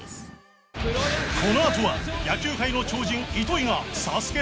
このあとは野球界の超人糸井がＳＡＳＵＫＥ